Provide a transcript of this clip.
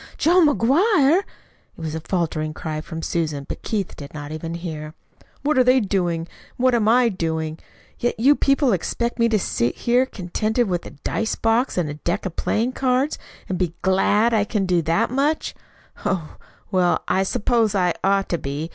"John McGuire!" It was a faltering cry from Susan, but Keith did not even hear. "What are they doing, and what am I doing? Yet you people expect me to sit here contented with a dice box and a deck of playing cards, and be GLAD I can do that much. Oh, well, I suppose I ought to be.